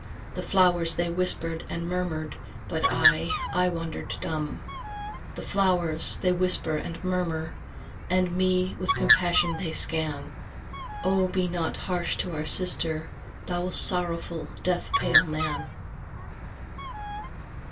The flowers they whispered and murmured, But I, I wandered dumb. The flowers they whisper and murmur, And me with compassion they scan: "Oh, be not harsh to our sister, Thou sorrowful, death pale man!")